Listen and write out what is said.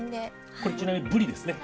これちなみにブリですね。